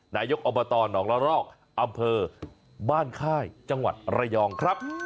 นายกอบตหนองละรอกอำเภอบ้านค่ายจังหวัดระยองครับ